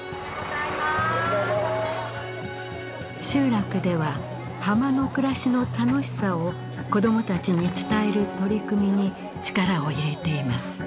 集落では浜の暮らしの楽しさを子どもたちに伝える取り組みに力を入れています。